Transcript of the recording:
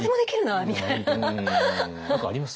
何かあります？